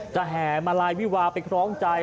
จะแหงมาลัยวิวาล์ไปคร้องใจ